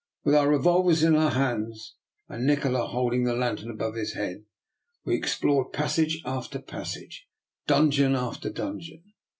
With our revolvers in our hands, and Nikola holding the lantern above his head, we ex plored passage after passage and dungeon after dungeon.